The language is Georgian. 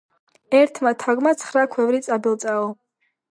ერთმა თაგვმა ცხრა ქვევრი წაბილწაო